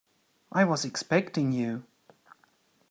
I was expecting you.